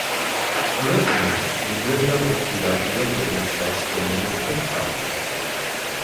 Originally the river was the ideal living space for many fish types.